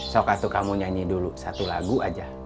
sokatu kamu nyanyi dulu satu lagu aja